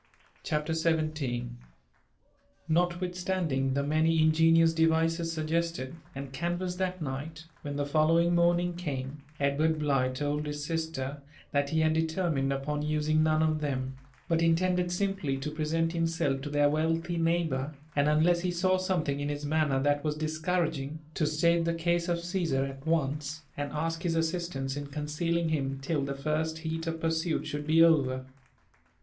CHAPTER XVIl NotuwiTUSTAHDim the many ingenious deviees suggested and can vassed that night, when the following morning came, Edward Bligh told Us sister that be had determined upon using none of them, but iBtended simply to present himself to their wealthy neighbour, and, udIou he saw something in his manner that was discouraging, to state the case of Cmmt at onoe, and ask his assistance in concealing him Ull the Grst heat of pursuit should be over.